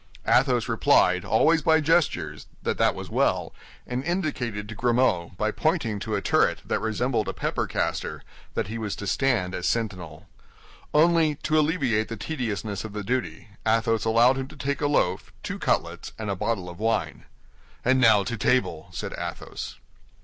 Athos replied, always by gestures, that that was well, and indicated to Grimaud, by pointing to a turret that resembled a pepper caster, that he was to stand as sentinel. Only, to alleviate the tediousness of the duty, Athos allowed him to take a loaf, two cutlets, and a bottle of wine. "And now to table," said Athos.